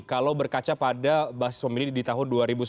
kalau berkaca pada basis pemilih di tahun dua ribu sembilan belas